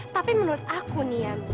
tapi menurut aku mi